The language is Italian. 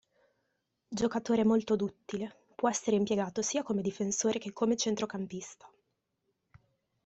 Giocatore molto duttile, può essere impiegato sia come difensore che come centrocampista.